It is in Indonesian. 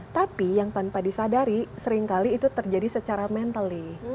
tapi yang tanpa disadari seringkali itu terjadi secara mental